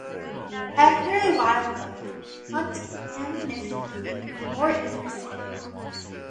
After a while though, hunting ammunition seemed to be more interesting.